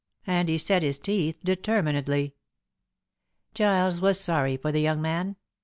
And he set his teeth determinedly. Giles was sorry for the young man.